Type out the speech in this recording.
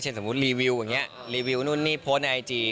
เช่นสมมุติรีวิวอย่างนี้โพสต์ในไอจี